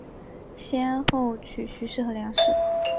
先后娶徐氏和梁氏。